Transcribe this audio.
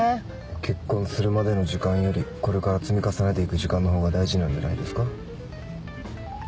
結婚するまでの時間よりこれから積み重ねていく時間の方が大事なんじゃないですか？